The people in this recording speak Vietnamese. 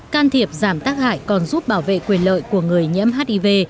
can thiệp giảm tác hại còn giúp bảo vệ quyền lợi của người nhiễm hiv